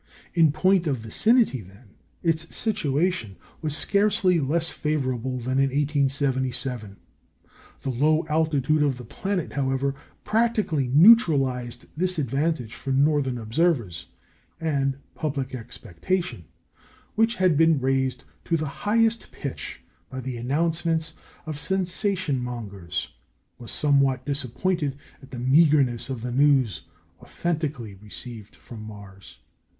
In point of vicinity, then, its situation was scarcely less favourable than in 1877. The low altitude of the planet, however, practically neutralised this advantage for northern observers, and public expectation, which had been raised to the highest pitch by the announcements of sensation mongers, was somewhat disappointed at the "meagreness" of the news authentically received from Mars.